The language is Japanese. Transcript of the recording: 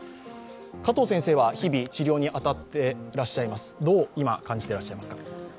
加藤先生は日々治療に当たっていらっしゃいます、今、どう感じていらっしゃいますか？